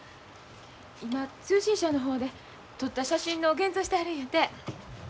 今通信社の方で撮った写真の現像をしてはるんやて。